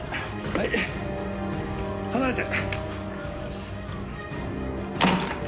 はい離れて。